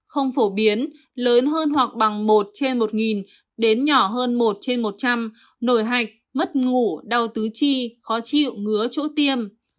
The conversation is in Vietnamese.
không phổ biến lớn hơn hoặc bằng một trên một đến nhỏ hơn một trên một trăm linh nổi hạch mất ngủ đau tứ chi khó chịu ngứa chỗ tiêm